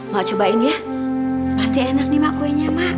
mak cobain ya pasti enak nih mak kuenya mak